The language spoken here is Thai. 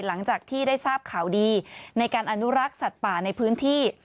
หลังจากที่ได้ทราบข่าวดีในการอนุรักษ์สัตว์ป่าในพื้นที่